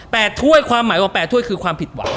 ถ้วยความหมายว่าแปดถ้วยคือความผิดหวัง